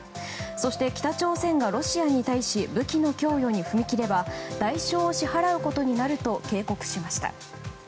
そして、北朝鮮がロシアに対し武器の供与に踏み切れば代償を支払うことになると警告しました。